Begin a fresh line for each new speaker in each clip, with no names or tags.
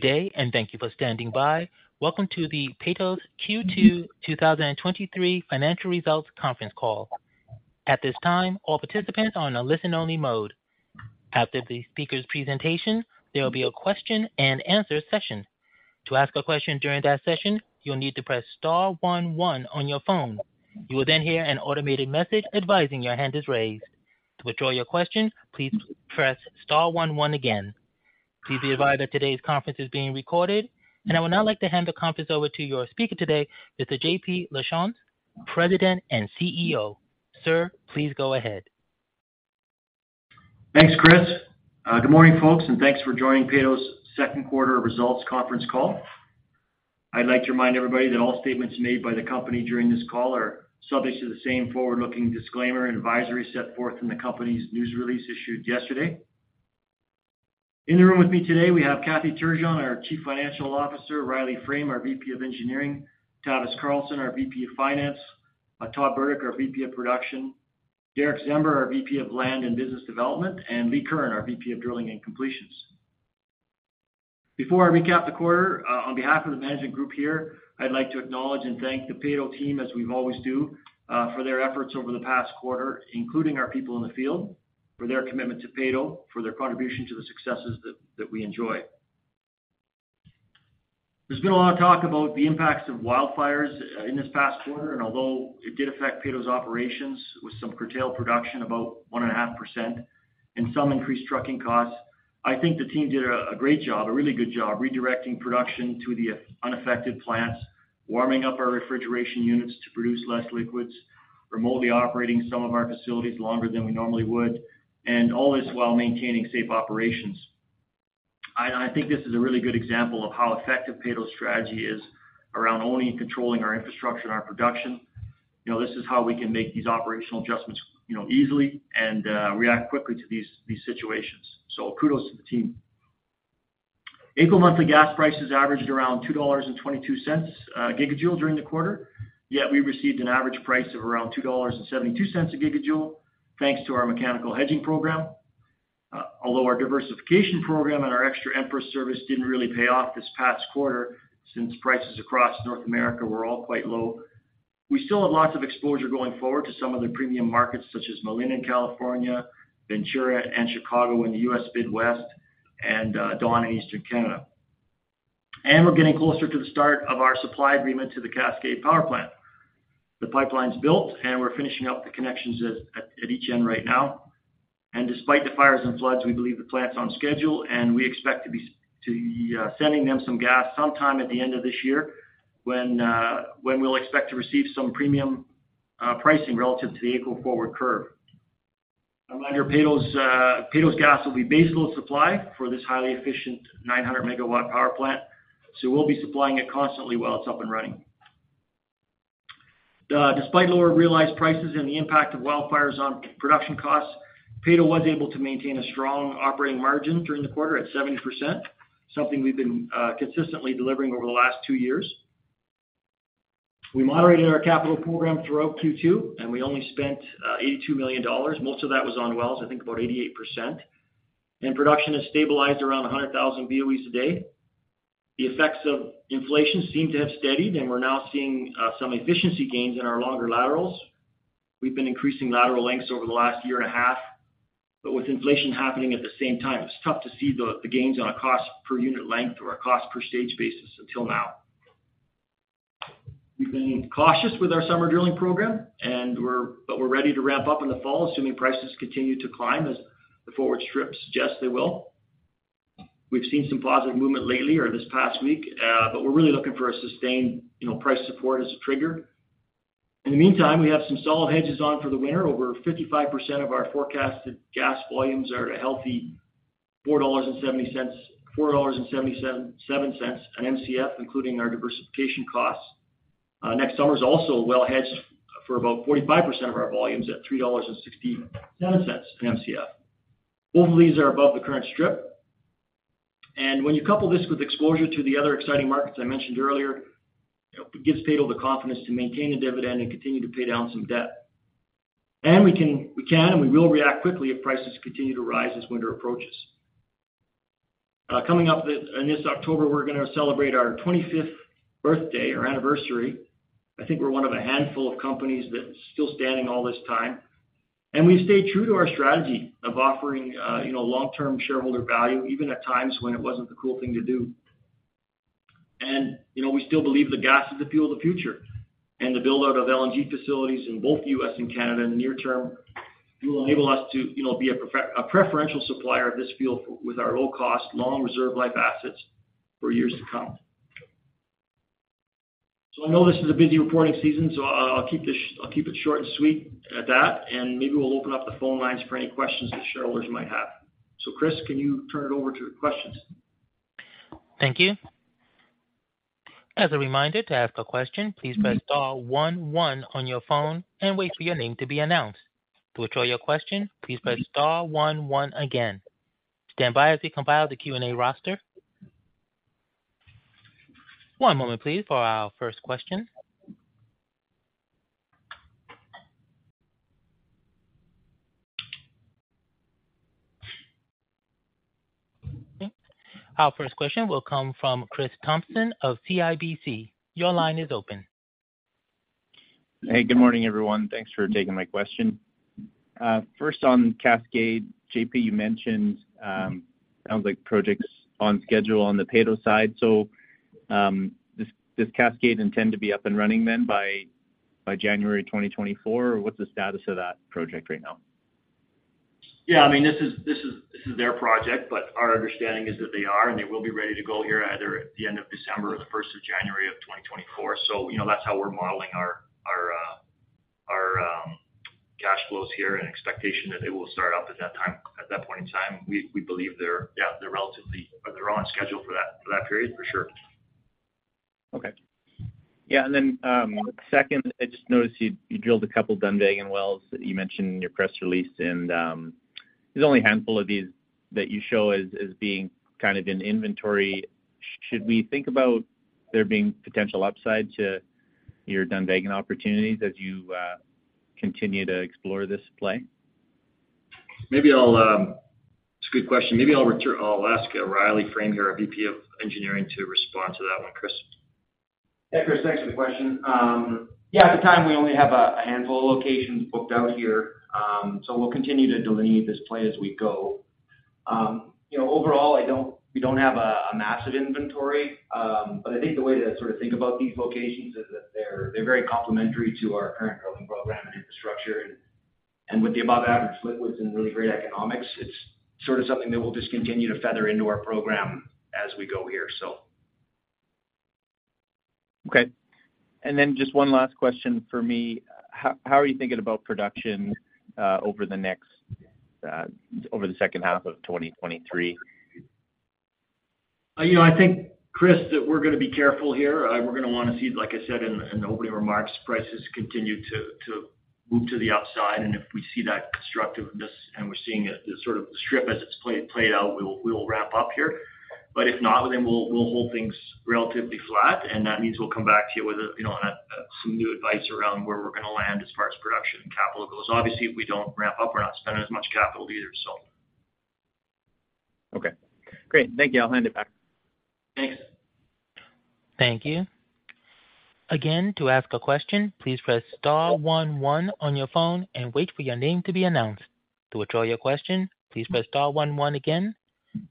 Good day. Thank you for standing by. Welcome to the Peyto's Q2 2023 Financial Results Conference Call. At this time, all participants are on a listen-only mode. After the speaker's presentation, there will be a question-and-answer session. To ask a question during that session, you'll need to press star one, one on your phone. You will hear an automated message advising your hand is raised. To withdraw your question, please press star one, one again. Please be advised that today's conference is being recorded. I would now like to hand the conference over to your speaker today, Mr. Jean-Paul Lachance, President and CEO. Sir, please go ahead.
Thanks, Chris. Good morning, folks, and thanks for joining Peyto's second quarter results conference call. I'd like to remind everybody that all statements made by the company during this call are subject to the same forward-looking disclaimer and advisory set forth in the company's news release issued yesterday. In the room with me today, we have Kathy Turgeon, our Chief Financial Officer; Riley Frame, our VP of Engineering; Tavis Carlson, our VP, Finance; Todd Burdick, our VP, Production; Derick Czember, our VP, Land and Business Development; and Lee Curran, our VP, Drilling and Completions. Before I recap the quarter, on behalf of the management group here, I'd like to acknowledge and thank the Peyto team, as we always do, for their efforts over the past quarter, including our people in the field, for their commitment to Peyto, for their contribution to the successes that, that we enjoy. There's been a lot of talk about the impacts of wildfires, in this past quarter. Although it did affect Peyto's operations with some curtailed production, about 1.5%, and some increased trucking costs, I think the team did a, a great job, a really good job, redirecting production to the unaffected plants, warming up our refrigeration units to produce less liquids, remotely operating some of our facilities longer than we normally would, and all this while maintaining safe operations. I, I think this is a really good example of how effective Peyto's strategy is around owning and controlling our infrastructure and our production. You know, this is how we can make these operational adjustments, you know, easily and react quickly to these situations. Kudos to the team. AECO monthly gas prices averaged around 2.22 dollars a gigajoule during the quarter, yet we received an average price of around 2.72 dollars a gigajoule, thanks to our mechanical hedging program. Although our diversification program and our TC Energy Emerson service didn't really pay off this past quarter, since prices across North America were all quite low, we still have lots of exposure going forward to some of the premium markets, such as Malin in California, Ventura and Chicago in the U.S. Midwest, and Dawn in Eastern Canada. We're getting closer to the start of our supply agreement to the Cascade Power Plant. The pipeline's built, and we're finishing up the connections at, at, at each end right now. Despite the fires and floods, we believe the plant's on schedule, and we expect to be, to sending them some gas sometime at the end of this year, when we'll expect to receive some premium pricing relative to the AECO forward curve. Mind you, Peyto's Peyto's gas will be baseload supply for this highly efficient 900 MW Power Plant, so we'll be supplying it constantly while it's up and running. Despite lower realized prices and the impact of wildfires on production costs, Peyto was able to maintain a strong operating margin during the quarter at 70%, something we've been consistently delivering over the last two years. We moderated our capital program throughout Q2. We only spent 82 million dollars. Most of that was on wells, I think about 88%. Production has stabilized around 100,000 BOE a day. The effects of inflation seem to have steadied. We're now seeing some efficiency gains in our longer laterals. We've been increasing lateral lengths over the last year and a half, with inflation happening at the same time, it's tough to see the, the gains on a cost per unit length or a cost per stage basis until now. We've been cautious with our summer drilling program. We're ready to ramp up in the fall, assuming prices continue to climb as the forward strip suggests they will. We've seen some positive movement lately or this past week, we're really looking for a sustained, you know, price support as a trigger. In the meantime, we have some solid hedges on for the winter. Over 55% of our forecasted gas volumes are at a healthy 4.77 dollars per Mcf, including our diversification costs. Next summer is also well hedged for about 45% of our volumes at 3.67 dollars per Mcf. Both of these are above the current strip. When you couple this with exposure to the other exciting markets I mentioned earlier, it gives Peyto the confidence to maintain a dividend and continue to pay down some debt. We can and we will react quickly if prices continue to rise as winter approaches. Coming up this in this October, we're gonna celebrate our 25th birthday or anniversary. I think we're one of a handful of companies that's still standing all this time, and we've stayed true to our strategy of offering, you know, long-term shareholder value, even at times when it wasn't the cool thing to do. You know, we still believe that gas is the fuel of the future, and the build-out of LNG facilities in both U.S. and Canada in the near term will enable us to, you know, be a preferential supplier of this fuel with our low cost, long reserve life assets for years to come. I know this is a busy reporting season, so I'll keep it short and sweet at that, and maybe we'll open up the phone lines for any questions the shareholders might have. Chris, can you turn it over to questions?
Thank you. As a reminder, to ask a question, please press star one, one on your phone and wait for your name to be announced. To withdraw your question, please press star one, one again. Stand by as we compile the Q&A roster. One moment, please, for our first question. Our first question will come from Chris Thompson of CIBC. Your line is open.
Hey, good morning, everyone. Thanks for taking my question. first, on Cascade, J.P., you mentioned, sounds like project's on schedule on the Peyto side. does, does Cascade intend to be up and running then by, by January 2024? Or what's the status of that project right now?
Yeah, I mean, this is, this is, this is their project. Our understanding is that they are, and they will be ready to go here either at the end of December or the 1 January of 2024. You know, that's how we're modeling our, our, our cash flows here and expectation that they will start up at that time, at that point in time. We, we believe they're, yeah, they're relatively, or they're on schedule for that, for that period, for sure.
Okay. Yeah, then, second, I just noticed you, you drilled a couple Dunvegan wells that you mentioned in your press release. There's only a handful of these that you show as, as being kind of in inventory. Should we think about there being potential upside to your Dunvegan opportunities as you continue to explore this play?
Maybe I'll. It's a good question. Maybe I'll ask Riley Frame, our VP of Engineering, to respond to that one, Chris.
Hey, Chris, thanks for the question. Yeah, at the time, we only have a, a handful of locations booked out here. We'll continue to delineate this play as we go. You know, overall, we don't have a, a massive inventory. I think the way to sort of think about these locations is that they're, they're very complementary to our current drilling program and infrastructure. And with the above average liquids and really great economics, it's sort of something that we'll just continue to feather into our program as we go here.
Okay. Then just one last question for me. How, how are you thinking about production, over the next, over the second half of 2023?
You know, I think, Chris, that we're gonna be careful here. We're gonna wanna see, like I said in, in the opening remarks, prices continue to, to move to the upside. If we see that constructiveness and we're seeing a, the sort of the strip as it's played out, we will, we will ramp up here. If not, then we'll, we'll hold things relatively flat, and that means we'll come back to you with a, you know, some new advice around where we're gonna land as far as production and capital goes. Obviously, if we don't ramp up, we're not spending as much capital either, so.
Okay, great. Thank you. I'll hand it back.
Thanks.
Thank you. Again, to ask a question, please press star one one on your phone and wait for your name to be announced. To withdraw your question, please press star one one again.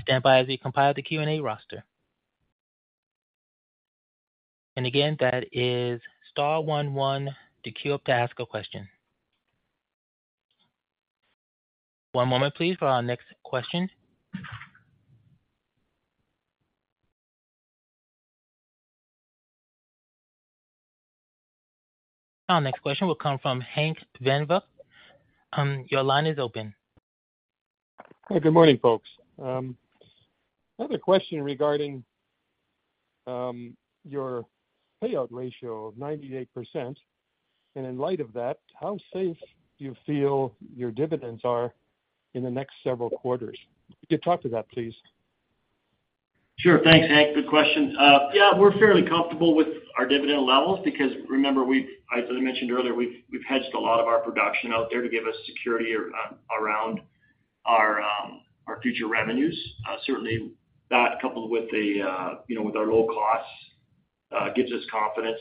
Stand by as we compile the Q&A roster. Again, that is star one one to queue up to ask a question. One moment, please, for our next question. Our next question will come from Hank Venva. Your line is open.
Hey, good morning, folks. I have a question regarding your payout ratio of 98%. In light of that, how safe do you feel your dividends are in the next several quarters? Could you talk to that, please?
Sure. Thanks, Hank. Good question. Yeah, we're fairly comfortable with our dividend levels because remember, as I mentioned earlier, we've hedged a lot of our production out there to give us security around our future revenues. Certainly that, coupled with the, you know, with our low costs, gives us confidence.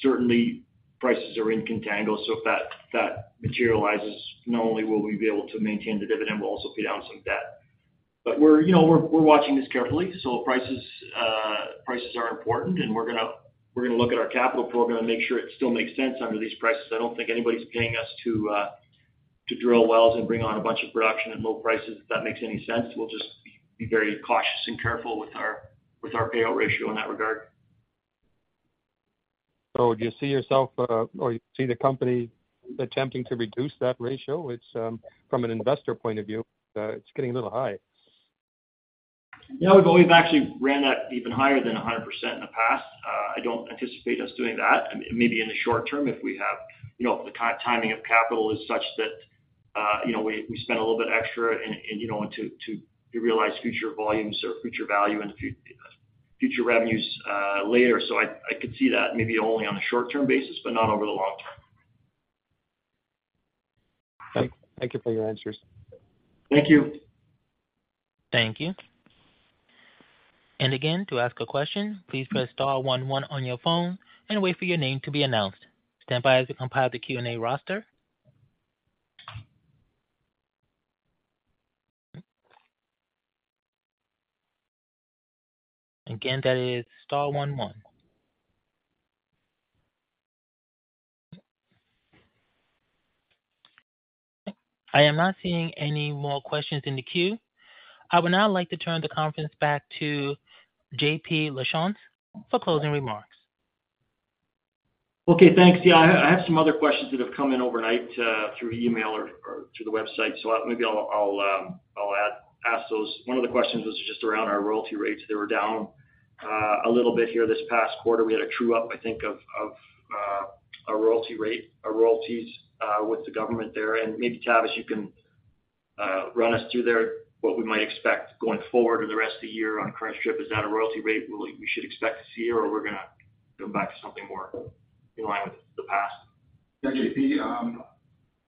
Certainly, prices are in contango. If that, that materializes, not only will we be able to maintain the dividend, we'll also pay down some debt. We're, you know, we're, we're watching this carefully. Prices, prices are important, and we're gonna, we're gonna look at our capital program and make sure it still makes sense under these prices. I don't think anybody's paying us to drill wells and bring on a bunch of production at low prices, if that makes any sense. We'll just be, be very cautious and careful with our, with our payout ratio in that regard.
Do you see yourself, or you see the company attempting to reduce that ratio? It's, from an investor point of view, it's getting a little high.
No, but we've actually ran that even higher than 100% in the past. I don't anticipate us doing that. I mean, maybe in the short term, if we have, you know, if the timing of capital is such that, you know, we, we spend a little bit extra and, and, you know, to, to realize future volumes or future value and the future revenues, later. I, I could see that maybe only on a short-term basis, but not over the long term.
Thank you for your answers.
Thank you.
Thank you. And again, to ask a question, please press star one one on your phone and wait for your name to be announced. Stand by as we compile the Q&A roster. Again, that is star one one. I am not seeing any more questions in the queue. I would now like to turn the conference back to J.P. Lachance for closing remarks.
Okay, thanks. Yeah, I, I have some other questions that have come in overnight, through email or, or through the website, so maybe I'll, I'll ask those. One of the questions was just around our royalty rates. They were down a little bit here this past quarter. We had a true up, I think, of, of a royalty rate, our royalties, with the government there. Maybe, Tavis, you can run us through there, what we might expect going forward or the rest of the year on current strip. Is that a royalty rate we, we should expect to see or we're gonna go back to something more in line with the past?
Yeah, JP,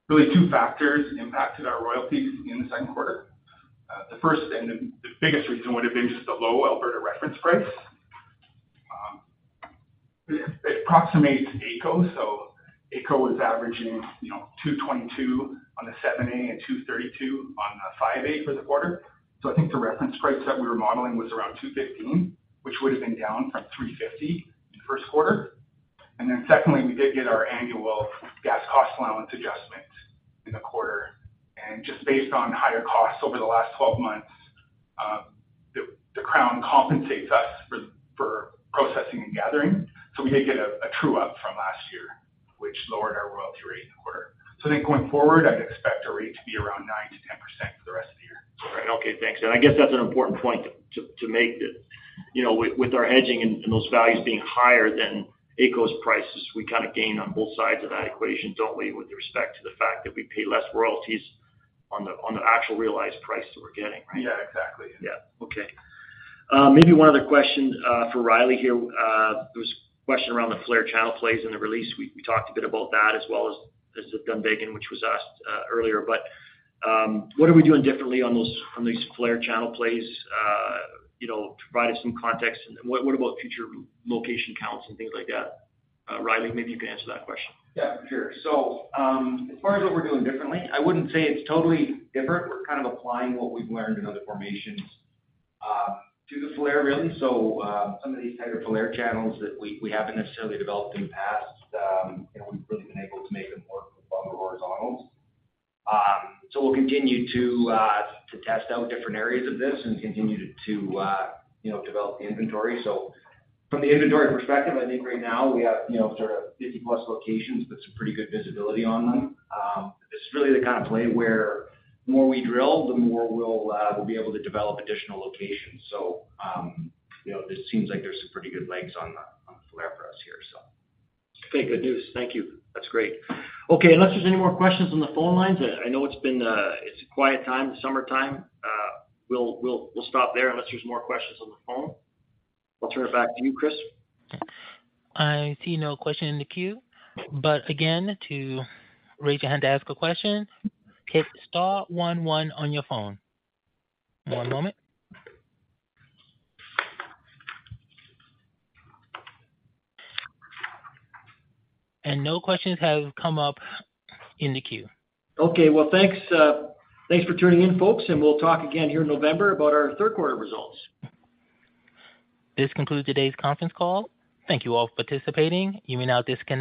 really two factors impacted our royalties in the second quarter. The first and the biggest reason would have been just the low Alberta Reference Price. It approximates AECO, so AECO was averaging, you know, 2.22 on the 7A and 2.32 on the 5A for the quarter. I think the Reference Price that we were modeling was around 2.15, which would have been down from 3.50 in the first quarter. Then secondly, we did get our annual Gas Cost Allowance adjustment in the quarter. Just based on higher costs over the last 12 months, the Crown compensates us for processing and gathering. We did get a true-up from last year, which lowered our royalty rate in the quarter. I think going forward, I'd expect our rate to be around 9%-10% for the rest of the year.
All right. Okay, thanks. I guess that's an important point to make that, you know, with our hedging and those values being higher than AECO prices, we kinda gain on both sides of that equation, don't we? With respect to the fact that we pay less royalties on the actual realized price that we're getting, right?
Yeah, exactly.
Okay. Maybe one other question for Riley here. There was a question around the Falher channel plays in the release. We, we talked a bit about that, as well as Dunvegan, which was asked earlier. What are we doing differently on those... on these Falher channel plays? You know, provide us some context. What about future location counts and things like that? Riley, maybe you can answer that question.
Yeah, sure. As far as what we're doing differently, I wouldn't say it's totally different. We're kind of applying what we've learned in other formations, to the Falher, really. Some of these tighter Falher channels that we, we haven't necessarily developed in the past, you know, we've really been able to make them work with longer horizontals. We'll continue to test out different areas of this and continue to, you know, develop the inventory. From the inventory perspective, I think right now we have, you know, sort of 50+ locations with some pretty good visibility on them. This is really the kind of play where the more we drill, the more we'll be able to develop additional locations. You know, this seems like there's some pretty good legs on the, on the Falher for us here, so.
Okay, good news. Thank you. That's great. Okay. Unless there's any more questions on the phone lines, I, I know it's been, it's a quiet time, the summertime. We'll, we'll, we'll stop there unless there's more questions on the phone. I'll turn it back to you, Chris.
I see no question in the queue. Again, to raise your hand to ask a question, hit star one one on your phone. One moment. No questions have come up in the queue.
Okay. Well, thanks. Thanks for tuning in, folks, and we'll talk again here in November about our third quarter results.
This concludes today's conference call. Thank you all for participating. You may now disconnect.